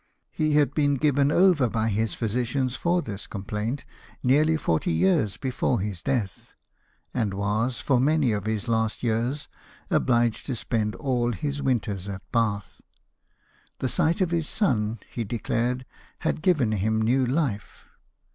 He had been given over by his physicians for this complaint nearly forty years before his death ; and was, for many of his last years, obliged to spend all his winters at Bath. The sight of his son, he declared, had given him new life.